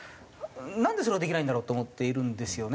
なんでそれができないんだろうと思っているんですよね。